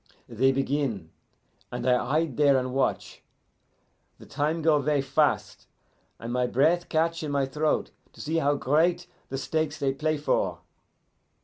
"They begin, and I hide there and watch. The time go ver' fast, and my breath catch in my throat to see how great the stakes they play for.